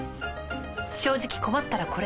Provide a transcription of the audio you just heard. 正直困ったらこれ。